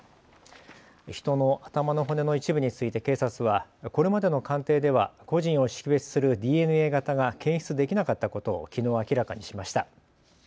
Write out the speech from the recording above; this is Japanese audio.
人の頭の骨の一部について警察はこれまでの鑑定では個人を識別するＤＮＡ型が検出できなかったことをきのう明らかにしました。